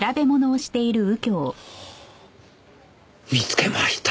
見つけました。